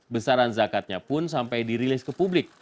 besaran zakatnya pun sampai dirilis ke publik